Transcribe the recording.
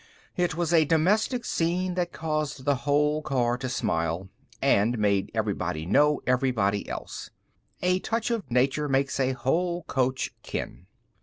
It was a domestic scene that caused the whole car to smile, and made everybody know everybody else. A touch of nature makes a whole coach kin.